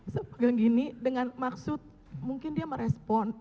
saya pegang gini dengan maksud mungkin dia merespon